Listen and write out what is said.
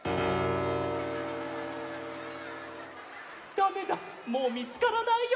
だめだもうみつからないよ。